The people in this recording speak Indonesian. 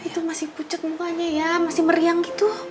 itu masih pucet mumpanya ya masih meriang gitu